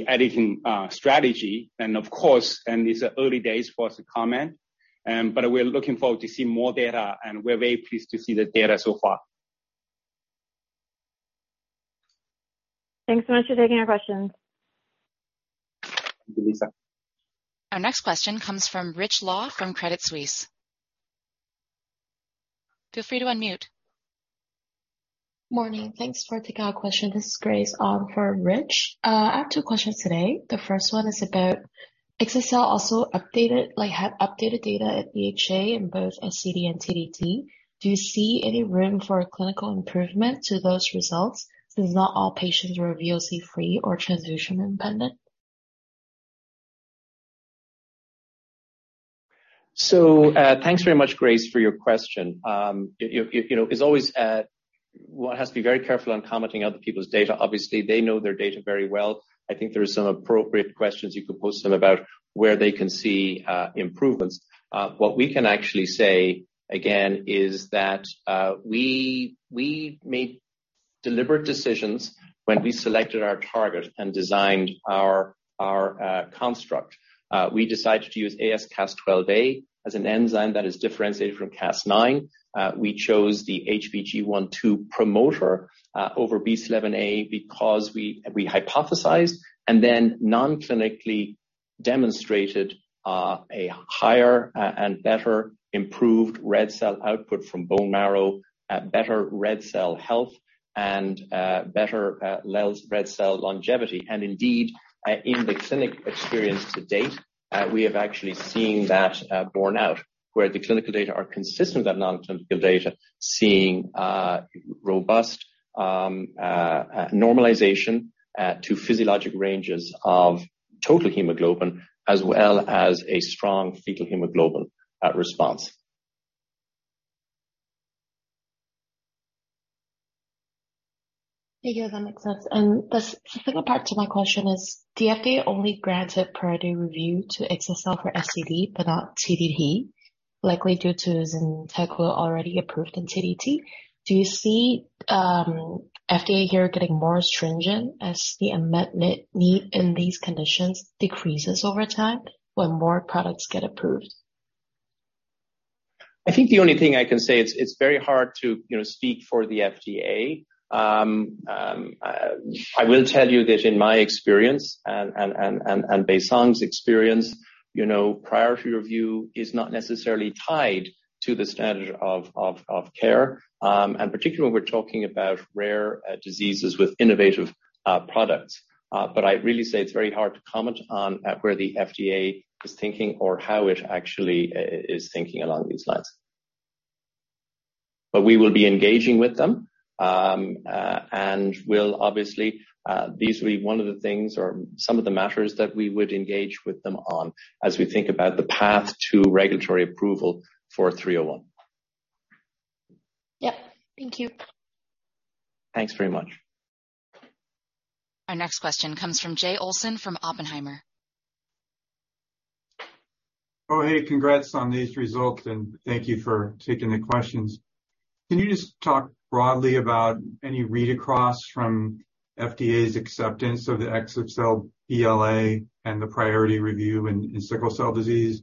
editing strategy. Of course, these are early days for us to comment, but we're looking forward to see more data, and we're very pleased to see the data so far. Thanks so much for taking our questions. Thank you, Lisa. Our next question comes from Rich Law, from Credit Suisse. Feel free to unmute. Morning. Thanks for taking our question. This is Grace Hahn for Rich. I have two questions today. The first one is about exa-cel also updated, like, had updated data at EHA in both SCD and TDT. Do you see any room for clinical improvement to those results, since not all patients were VOC free or transfusion independent? Thanks very much, Grace, for your question. You know, as always, one has to be very careful on commenting other people's data. Obviously, they know their data very well. I think there are some appropriate questions you could pose to them about where they can see improvements. What we can actually say, again, is that we made deliberate decisions when we selected our target and designed our construct. We decided to use AsCas12a as an enzyme that is differentiated from Cas9. We chose the HBG1/2 promoter over BCL11A, because we hypothesized and then non-clinically demonstrated a higher and better improved red cell output from bone marrow, better red cell health, and better red cell longevity. Indeed, in the clinic experience to date, we have actually seen that borne out, where the clinical data are consistent with that non-clinical data, seeing robust normalization to physiologic ranges of total hemoglobin, as well as a strong fetal hemoglobin response. Thank you. That makes sense. The second part to my question is, the FDA only granted priority review to exa-cel for SCD, but not TDT. Likely due to Zynteglo already approved in TDT. Do you see FDA here getting more stringent as the amendment need in these conditions decreases over time when more products get approved? I think the only thing I can say, it's very hard to, you know, speak for the FDA. I will tell you that in my experience and Baisong's experience, you know, priority review is not necessarily tied to the standard of care, and particularly we're talking about rare diseases with innovative products. I'd really say it's very hard to comment on where the FDA is thinking or how it actually is thinking along these lines. We will be engaging with them, and we'll obviously these will be one of the things or some of the matters that we would engage with them on as we think about the path to regulatory approval for EDIT-301. Yeah. Thank you. Thanks very much. Our next question comes from Jay Olson from Oppenheimer. Hey, congrats on these results, and thank you for taking the questions. Can you just talk broadly about any read-across from FDA's acceptance of the exa-cel BLA and the priority review in sickle cell disease?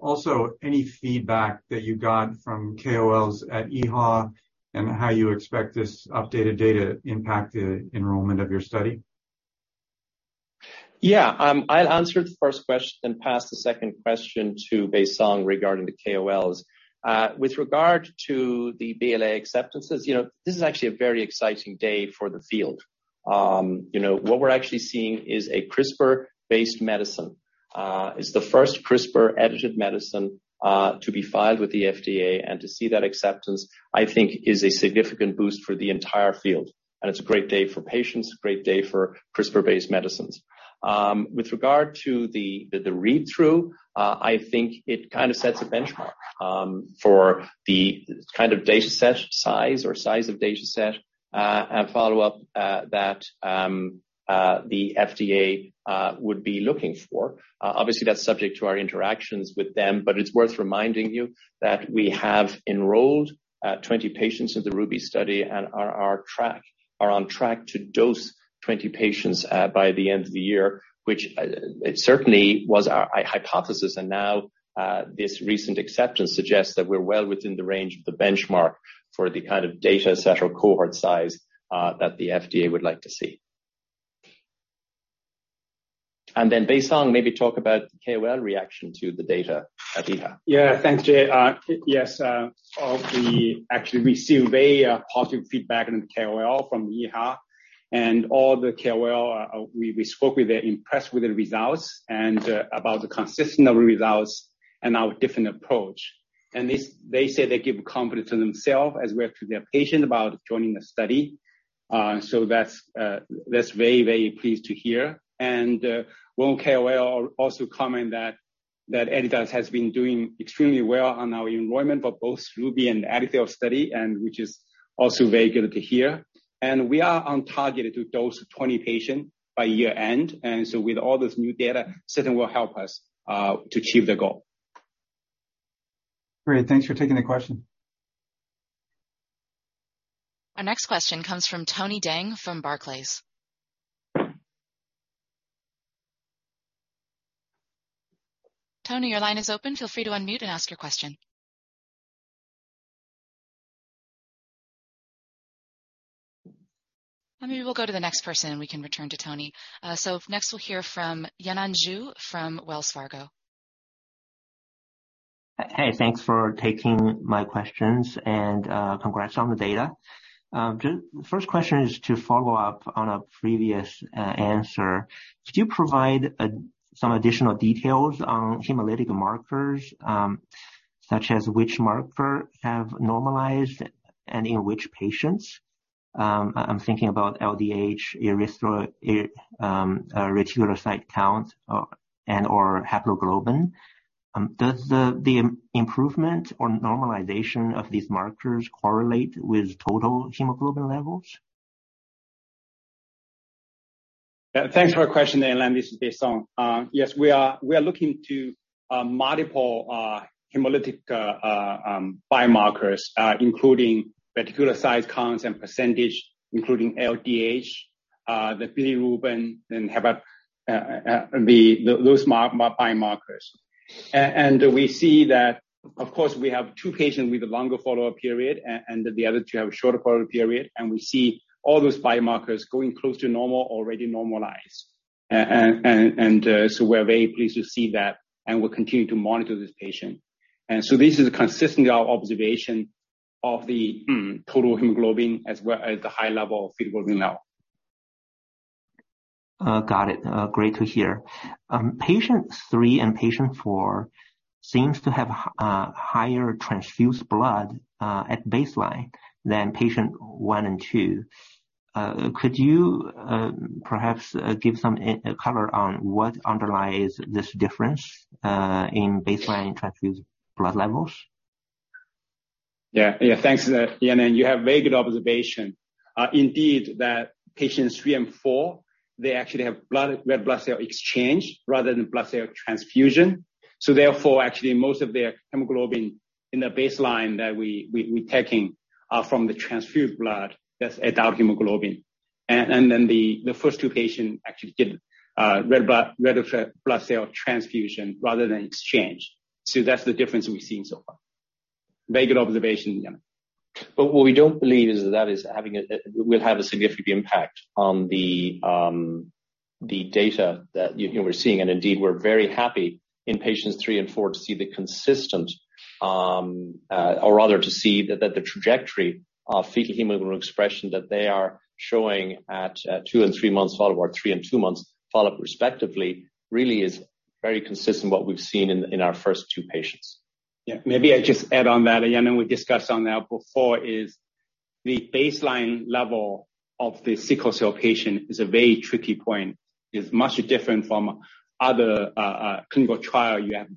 Also, any feedback that you got from KOLs at EHA, and how you expect this updated data to impact the enrollment of your study? Yeah. I'll answer the first question, then pass the second question to Baisong regarding the KOLs. With regard to the BLA acceptances, you know, this is actually a very exciting day for the field. You know, what we're actually seeing is a CRISPR-based medicine. It's the first CRISPR-edited medicine to be filed with the FDA, and to see that acceptance, I think, is a significant boost for the entire field, and it's a great day for patients, a great day for CRISPR-based medicines. With regard to the read-through, I think it kind of sets a benchmark for the kind of dataset size or size of dataset, and follow-up that the FDA would be looking for. Obviously, that's subject to our interactions with them, but it's worth reminding you that we have enrolled 20 patients in the RUBY study and are on track to dose 20 patients by the end of the year, which it certainly was our hypothesis. Now, this recent acceptance suggests that we're well within the range of the benchmark for the kind of dataset or cohort size that the FDA would like to see. Then, Baisong, maybe talk about the KOL reaction to the data at EHA. Yeah. Thanks, Jay. Yes, we actually received very positive feedback on the KOL from EHA. All the KOL we spoke with, they're impressed with the results and about the consistency of the results and our different approach. They said they give confidence in themselves, as well to their patient, about joining the study. That's very, very pleased to hear. One KOL also comment that Editas has been doing extremely well on our enrollment for both RUBY and EdiTHAL study, and which is also very good to hear. We are on target to dose 20 patient by year-end, and so with all this new data, certain will help us to achieve the goal. Great. Thanks for taking the question. Our next question comes from Tony Deng, from Barclays. Tony, your line is open. Feel free to unmute and ask your question. Maybe we'll go to the next person, and we can return to Tony. Next, we'll hear from Yanan Zhu from Wells Fargo. Hey, thanks for taking my questions, and congrats on the data. Just first question is to follow up on a previous answer. Could you provide some additional details on hemolytic markers, such as which marker have normalized and in which patients? I'm thinking about LDH, reticulocyte count, and/or hemoglobin. Does the improvement or normalization of these markers correlate with total hemoglobin levels? Yeah, thanks for your question, Yanan. This is Baisong. Yes, we are looking to multiple hemolytic biomarkers, including reticulocyte counts and percentage, including LDH, the bilirubin, those biomarkers. We see that, of course, we have two patients with a longer follow-up period, and the other two have a shorter follow-up period, and we see all those biomarkers going close to normal, already normalized. We're very pleased to see that, and we'll continue to monitor this patient. This is consistent with our observation of the total hemoglobin, as well as the high level of hemoglobin F. Got it. Great to hear. Patient three and patient four seems to have higher transfused blood at baseline than patient one and two. Could you perhaps give some in- color on what underlies this difference in baseline transfused blood levels? Yeah. Yeah, thanks, Yanan. You have very good observation. Indeed, that patients three and four, they actually have red blood cell exchange rather than blood cell transfusion. Therefore, actually, most of their hemoglobin in the baseline that we taking from the transfused blood, that's adult hemoglobin. Then the first two patient actually get red blood cell transfusion rather than exchange. That's the difference we've seen so far. Very good observation, Yanan. What we don't believe Will have a significant impact on the data that, you know, we're seeing. Indeed, we're very happy in patients three and four to see the consistent, or rather, to see that the trajectory of fetal hemoglobin expression that they are showing at two and three months follow-up, or three and two months follow-up respectively, really is very consistent with what we've seen in our first two patients. Yeah. Maybe I just add on that, Yanan, we discussed on that before, the baseline level of the sickle cell patient is a very tricky point, is much different from other clinical trial. You have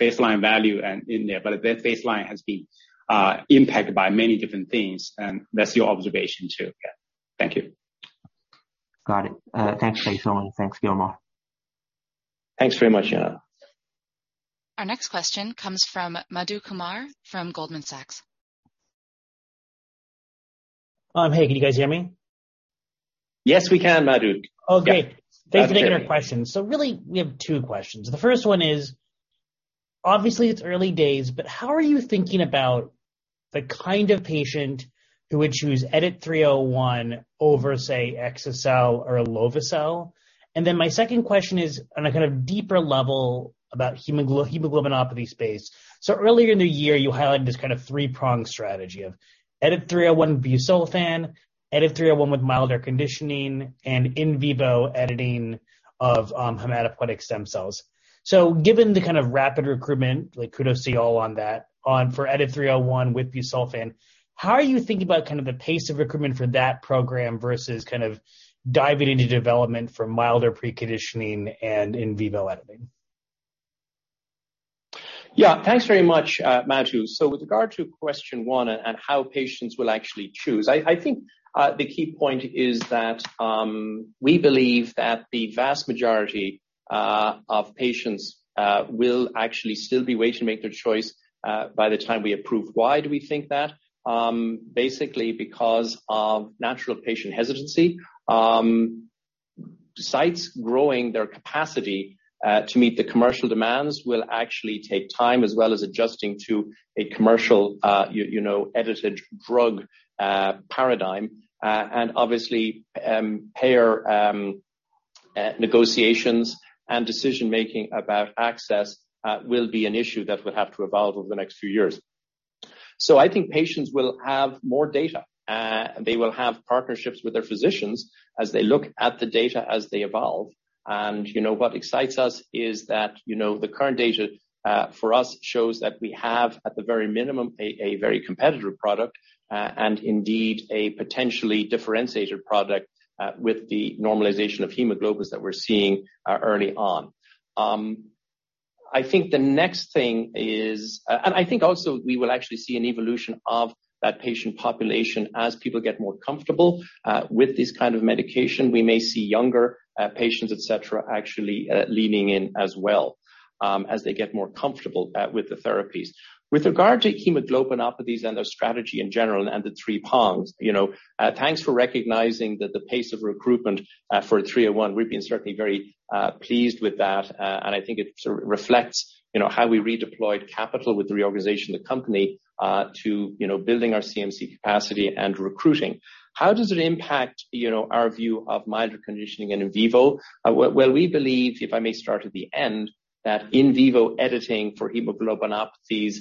baseline value and in there, their baseline has been impacted by many different things, and that's your observation, too. Yeah. Thank you. Got it. Thanks, Baisong, and thanks, Gilmore. Thanks very much, Yanan. Our next question comes from Madhu Kumar from Goldman Sachs. Hey, can you guys hear me? Yes, we can, Madhu. Okay. Yeah. Thanks for taking our question. Really, we have two questions. The first one is, obviously, it's early days, but how are you thinking about the kind of patient who would choose EDIT-301 over, say, exa-cel or lovo-cel? My second question is on a kind of deeper level about hemoglobinopathy space. Earlier in the year, you highlighted this kind of three-prong strategy of EDIT-301 busulfan, EDIT-301 with milder conditioning, and in vivo editing of hematopoietic stem cells. Given the kind of rapid recruitment, like, kudos to you all on that, for EDIT-301 with busulfan, how are you thinking about kind of the pace of recruitment for that program versus kind of diving into development for milder preconditioning and in vivo editing? Yeah, thanks very much, Madhu. With regard to question one and how patients will actually choose, I think the key point is that we believe that the vast majority of patients will actually still be waiting to make their choice by the time we approve. Why do we think that? Basically because of natural patient hesitancy. Sites growing their capacity to meet the commercial demands will actually take time, as well as adjusting to a commercial, you know, edited drug paradigm. Obviously, payer negotiations and decision-making about access will be an issue that will have to evolve over the next few years. I think patients will have more data, they will have partnerships with their physicians as they look at the data as they evolve. You know, what excites us is that, you know, the current data for us, shows that we have, at the very minimum, a very competitive product, and indeed a potentially differentiated product, with the normalization of hemoglobin that we're seeing early on. I think the next thing. I think also we will actually see an evolution of that patient population as people get more comfortable with this kind of medication. We may see younger patients, et cetera, actually leaning in as well, as they get more comfortable with the therapies. With regard to hemoglobinopathies and their strategy in general and the three prongs, you know, thanks for recognizing that the pace of recruitment for 301. We've been certainly very pleased with that, and I think it sort of reflects, you know, how we redeployed capital with the reorganization of the company, to, you know, building our CMC capacity and recruiting. How does it impact, you know, our view of milder conditioning and in vivo? Well, we believe, if I may start at the end, that in vivo editing for hemoglobinopathies,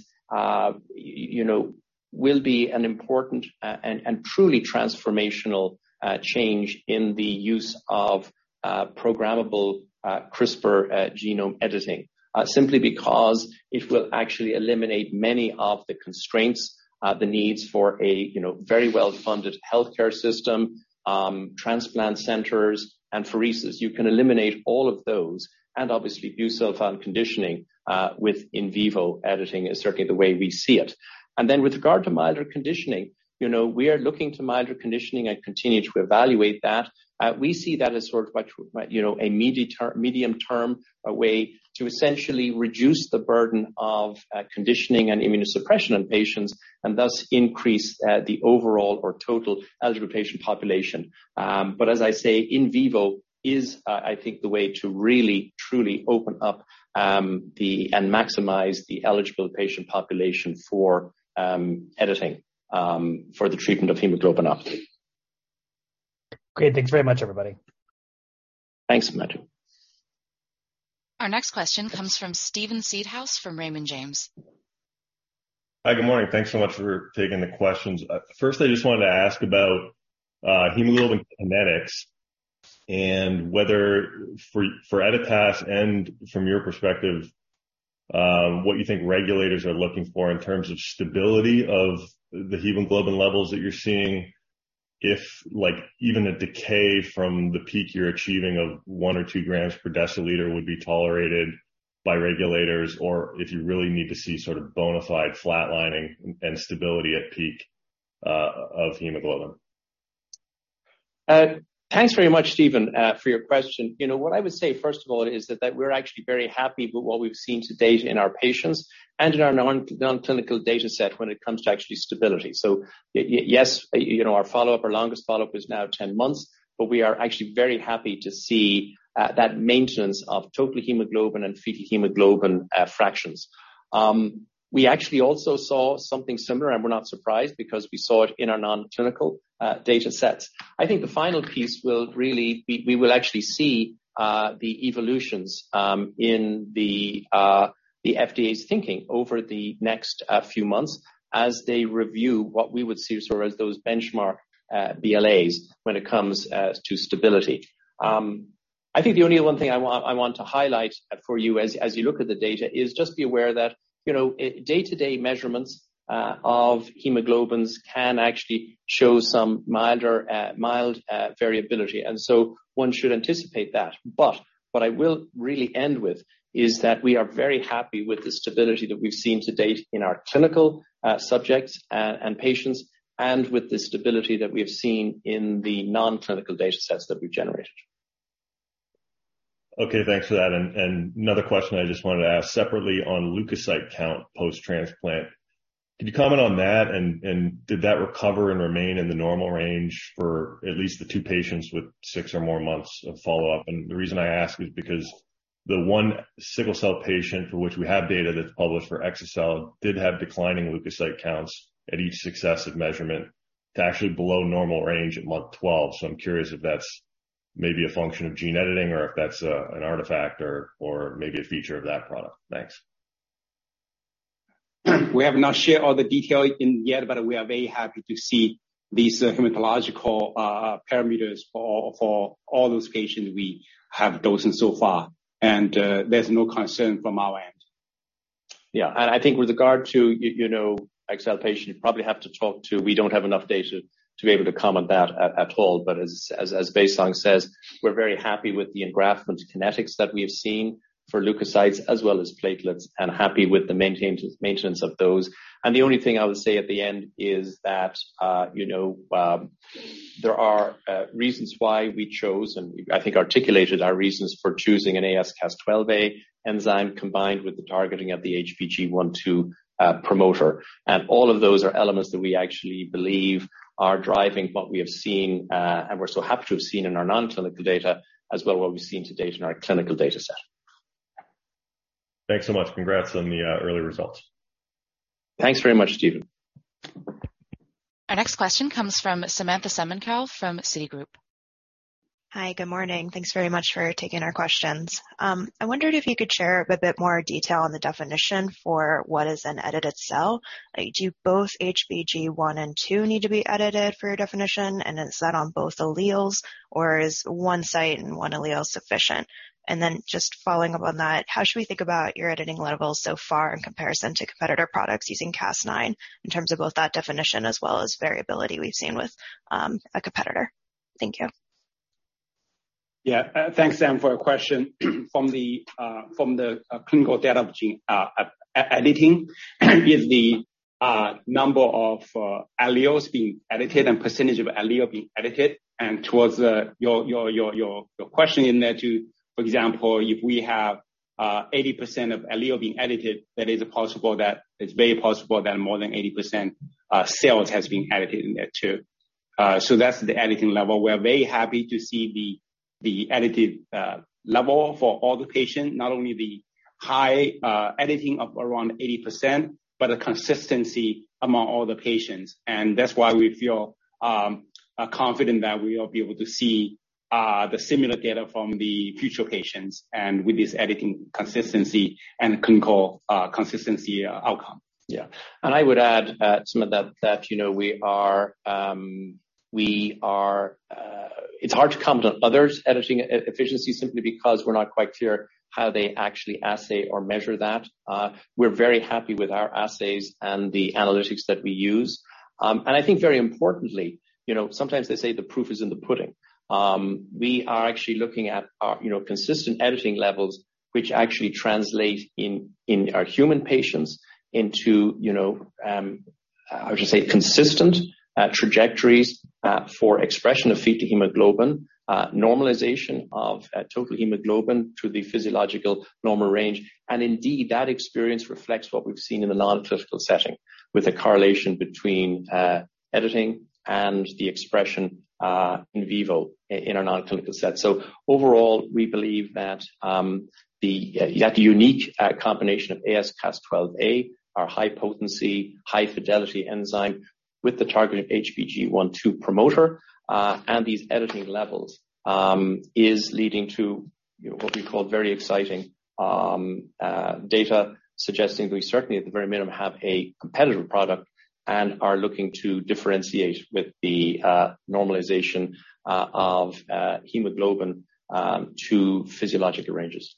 you know, will be an important, and truly transformational, change in the use of programmable CRISPR genome editing. Simply because it will actually eliminate many of the constraints, the needs for a, you know, very well-funded healthcare system, transplant centers and apheresis. You can eliminate all of those, and obviously, busulfan conditioning, with in vivo editing is certainly the way we see it. With regard to milder conditioning, you know, we are looking to milder conditioning and continue to evaluate that. We see that as sort of a, you know, a medium-term way to essentially reduce the burden of conditioning and immunosuppression on patients, and thus increase the overall or total eligible patient population. As I say, in vivo is, I think, the way to really truly open up the and maximize the eligible patient population for editing for the treatment of hemoglobinopathy. Great. Thanks very much, everybody. Thanks, Madhu. Our next question comes from Steven Seedhouse, from Raymond James. Hi, good morning. Thanks so much for taking the questions. First, I just wanted to ask about hemoglobin kinetics and whether for EDIT-301 and from your perspective, what you think regulators are looking for in terms of stability of the hemoglobin levels that you're seeing? If, like, even a decay from the peak you're achieving of 1 or 2 grams per deciliter would be tolerated by regulators, or if you really need to see sort of bona fide flatlining and stability at peak, of hemoglobin? Thanks very much, Steven, for your question. You know, what I would say, first of all, is that we're actually very happy with what we've seen to date in our patients and in our non-clinical dataset when it comes to actually stability. Yes, you know, our follow-up, our longest follow-up is now 10 months. We are actually very happy to see that maintenance of total hemoglobin and fetal hemoglobin fractions. We actually also saw something similar, and we're not surprised because we saw it in our non-clinical datasets. I think the final piece will really be. We will actually see the evolutions in the FDA's thinking over the next few months as they review what we would see sort of as those benchmark BLAs when it comes to stability. I think the only one thing I want to highlight for you as you look at the data is just be aware that, you know, day-to-day measurements of hemoglobins can actually show some milder, mild variability, one should anticipate that. What I will really end with is that we are very happy with the stability that we've seen to date in our clinical subjects and patients, and with the stability that we have seen in the non-clinical datasets that we've generated. Okay, thanks for that. Another question I just wanted to ask separately on leukocyte count post-transplant. Could you comment on that, did that recover and remain in the normal range for at least the two patients with six or more months of follow-up? The reason I ask is because the one sickle cell patient for which we have data that's published for exa-cel did have declining leukocyte counts at each successive measurement to actually below normal range at month 12. I'm curious if that's maybe a function of gene editing or if that's an artifact or maybe a feature of that product. Thanks. We have not shared all the detail in yet, but we are very happy to see these hematological parameters for all those patients we have dosed so far. There's no concern from our end. Yeah, I think with regard to, you know, exa-cel patient, you probably have to talk to. We don't have enough data to be able to comment on that at all. As Baisong says, we're very happy with the engraftment kinetics that we have seen for leukocytes as well as platelets, and happy with the maintenance of those. The only thing I would say at the end is that, you know, there are reasons why we chose, and I think articulated our reasons for choosing an AsCas12a enzyme combined with the targeting of the HBG1/2 promoter. All of those are elements that we actually believe are driving what we have seen, and we're so happy to have seen in our non-clinical data, as well, what we've seen to date in our clinical dataset. Thanks so much. Congrats on the early results. Thanks very much, Steven. Our next question comes from Samantha Semenkow from Citigroup. Hi, good morning. Thanks very much for taking our questions. I wondered if you could share a bit more detail on the definition for what is an edited cell. Do both HBG1/2 need to be edited for your definition, set on both alleles, or is one site and one allele sufficient? Just following up on that, how should we think about your editing levels so far in comparison to competitor products using Cas9 in terms of both that definition as well as variability we've seen with a competitor? Thank you. Yeah. Thanks, Sam, for your question. From the clinical data of gene editing, is the number of alleles being edited and percentage of allele being edited. Towards your question in there, too, for example, if we have 80% of allele being edited, that is possible. It's very possible that more than 80% cells has been edited in there, too. So that's the editing level. We're very happy to see the edited level for all the patients, not only the high editing of around 80%, but the consistency among all the patients. That's why we feel confident that we will be able to see the similar data from the future patients and with this editing consistency and clinical consistency outcome. Yeah. I would add, some of that, you know, we are, we are, it's hard to comment on others' editing efficiency simply because we're not quite clear how they actually assay or measure that. We're very happy with our assays and the analytics that we use. I think very importantly, you know, sometimes they say the proof is in the pudding. We are actually looking at our, you know, consistent editing levels, which actually translate in our human patients into, you know, how would you say, consistent trajectories for expression of fetal hemoglobin, normalization of total hemoglobin to the physiological normal range. Indeed, that experience reflects what we've seen in the non-clinical setting, with a correlation between editing and the expression in vivo, in our non-clinical set. Overall, we believe that the unique combination of AsCas12a, our high potency, high fidelity enzyme with the targeted HBG1/2 promoter and these editing levels is leading to, you know, what we call very exciting data, suggesting we certainly, at the very minimum, have a competitive product and are looking to differentiate with the normalization of hemoglobin to physiological ranges.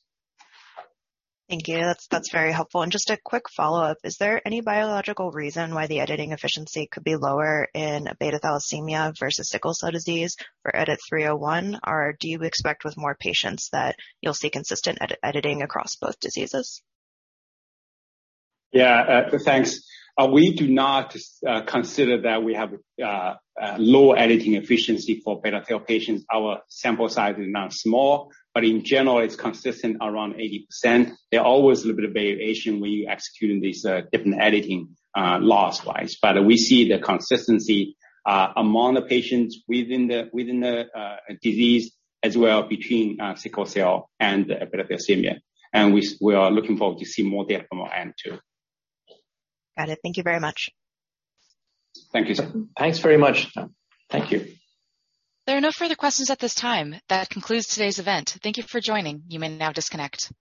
Thank you. That's very helpful. Just a quick follow-up, is there any biological reason why the editing efficiency could be lower in beta thalassemia versus sickle cell disease for EDIT-301? Do you expect with more patients that you'll see consistent editing across both diseases? Thanks. We do not consider that we have a low editing efficiency for beta thalassemia patients. Our sample size is now small, but in general, it's consistent around 80%. There are always a little bit of variation when you execute in these different editing laws wise. We see the consistency among the patients within the disease as well, between sickle cell and beta thalassemia, and we are looking forward to see more data from our end, too. Got it. Thank you very much. Thank you, Sam. Thanks very much. Thank you. There are no further questions at this time. That concludes today's event. Thank you for joining. You may now disconnect.